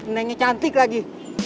nengnya cantik lagi